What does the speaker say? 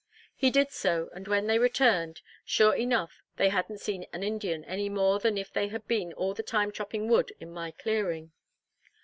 He did so, and when they returned, sure enough they hadn't seen an Indian any more than if they had been all the time chopping wood in my clearing.